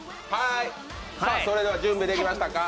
それでは準備できましたか？